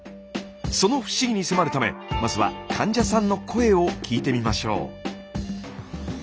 その不思議に迫るためまずは患者さんの声を聞いてみましょう。